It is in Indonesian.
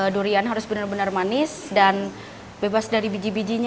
durian harus benar benar manis dan bebas dari biji bijinya